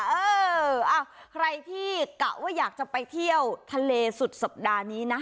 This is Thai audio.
เออใครที่กะว่าอยากจะไปเที่ยวทะเลสุดสัปดาห์นี้นะ